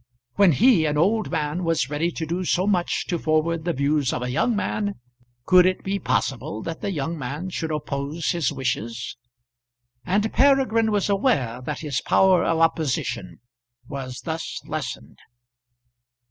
When he, an old man, was ready to do so much to forward the views of a young man, could it be possible that the young man should oppose his wishes? And Peregrine was aware that his power of opposition was thus lessened.